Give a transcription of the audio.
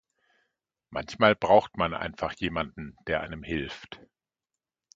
Manchmal braucht man einfach jemanden, der einem hilft.